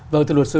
vâng thưa luật sư